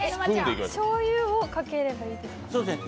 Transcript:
しょうゆをかければいいですか？